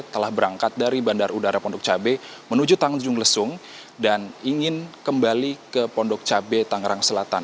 telah berangkat dari bandara udara pondok cabai menuju tanjung lesung dan ingin kembali ke pondok cabe tangerang selatan